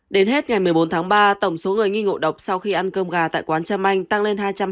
đến hết ngày một mươi bốn tháng ba tổng số người nghi ngộ độc sau khi ăn cơm gà tại quán trâm anh tăng lên hai trăm ba mươi